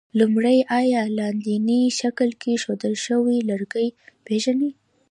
لومړی: آیا لاندیني شکل کې ښودل شوي لرګي پېژنئ؟